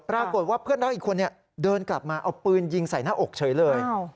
ปรากฏว่าเพื่อนรักอีกคนเดินกลับมาเอาปืนยิงใส่หน้าอกเฉยเลย